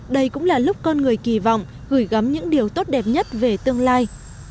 đây cũng là lúc con người kỳ vọng gửi gắm những điều tốt đẹp nhất về tương lai